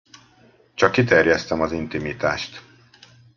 Csak kiterjesztem az intimitást.